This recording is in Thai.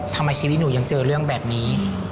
ทำไมชีวิตหนูยังเจอเรื่องแบบนี้